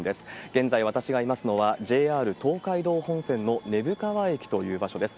現在、私がいますのは、ＪＲ東海道本線の根府川駅という場所です。